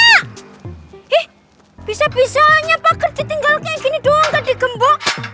eh bisa bisanya pak kerja tinggal kayak gini doang gak di gembok